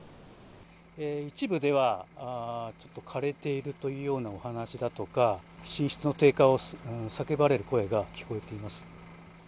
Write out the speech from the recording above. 一部ではちょっと枯れているというようなお話だとか、品質の低下を叫ばれる声が聞こえています。